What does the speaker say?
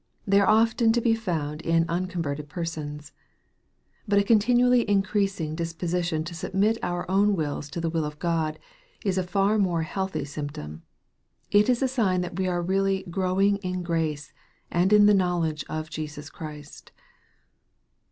They are often to be found in uncon verted persons. But a continually increasing disposition to submit our own wills to the will of God, is a far more healthy symptom. It is a sign that we are really " grow ing in grace, and in the knowledge of Jesus Christ."